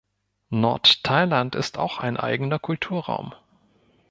Nordthailand ist auch ein eigener Kulturraum.